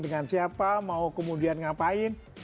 dengan siapa mau kemudian ngapain